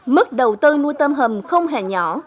mức đầu tư nuôi tôm hầm không hề nhỏ